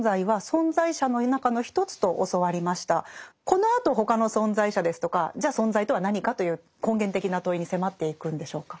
このあと他の存在者ですとかじゃあ存在とは何かという根源的な問いに迫っていくんでしょうか？